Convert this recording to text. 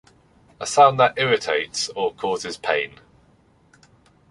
A sound that irritates or causes pain.